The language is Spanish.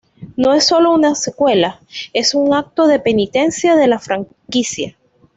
No es solo una secuela, es un acto de penitencia de la franquicia.